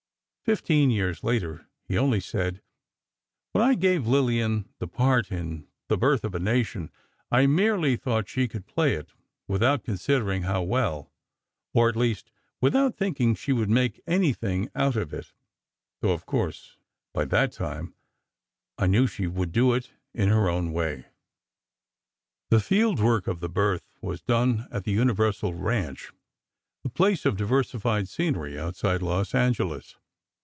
Fifteen years later, he only said: "When I gave Lillian a part in 'The Birth of a Nation,' I merely thought she could play it, without considering how well, or at least without thinking she would make anything special out of it, though of course, by that time, I knew she would do it in her own way." [Illustration: LILLIAN AND DOROTHY, DURING THE GRIFFITH PERIOD] The field work of the "Birth" was done at the Universal Ranch, a place of diversified scenery outside Los Angeles.